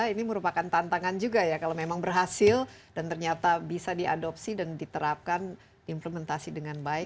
ini merupakan tantangan juga ya kalau memang berhasil dan ternyata bisa diadopsi dan diterapkan implementasi dengan baik